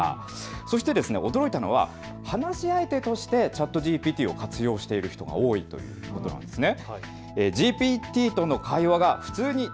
そして驚いたのは話し相手としてＣｈａｔＧＰＴを活用している人が多いということでした。